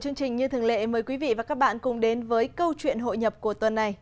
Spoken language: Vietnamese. chúng ta đang làm việc với thành phố để nhìn vào kế hoạch tổ chức